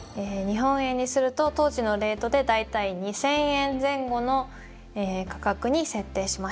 日本円にすると当時のレートで大体２，０００円前後の価格に設定しました。